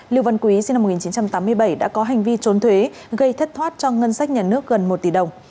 lưu văn quý sinh năm một nghìn chín trăm tám mươi bảy đã có hành vi trốn thuế gây thất thoát cho ngân sách nhà nước gần một tỷ đồng